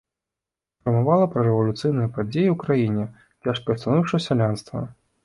Інфармавала пра рэвалюцыйныя падзеі ў краіне, цяжкае становішча сялянства.